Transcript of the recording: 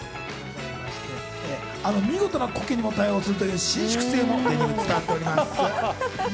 見事なコケにも対応するという伸縮性も伝わっております。